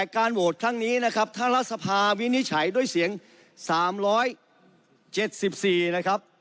การโหวตครั้งนี้นะครับถ้ารัฐสภาวินิจฉัยด้วยเสียง๓๗๔นะครับ